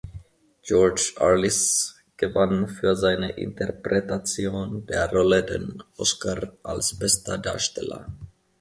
George Arliss gewann für seine Interpretation der Rolle den Oscar als bester Darsteller.